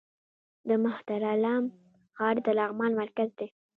د مهترلام ښار د لغمان مرکز دی